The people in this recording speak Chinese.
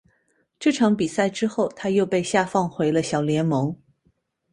这场比赛之后他又被下放回了小联盟。